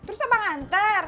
terus apa ngantar